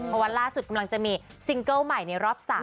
พอวันล่าสุดกำลังจะมีซิงเกิลใหม่ในรอบ๓สุด